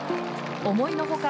思いのほか